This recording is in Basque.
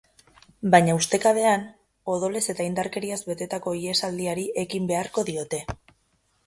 Baina, ustekabean, odolez eta indarkeriaz betetako ihesaldiari ekin beharko diote.